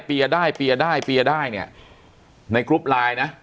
เปรียได้เปรียได้เปรียได้เนี่ยในกรุ๊ปลายนะ